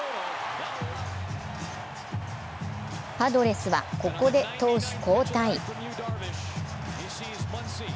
パドレスはここで投手交代。